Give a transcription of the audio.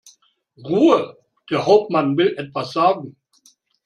Ruhe! Der Hauptmann will etwas sagen.